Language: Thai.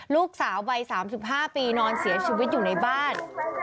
ลูกสาววัย๓๕ปีนอนเสียชีวิตอยู่ในบ้าน